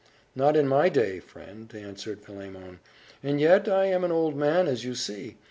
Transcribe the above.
"Not in my day, friend," answered Philemon; "and yet I am an old man, as you see.